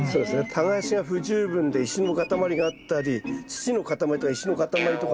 耕しが不十分で石の塊があったり土の塊とか石の塊とかね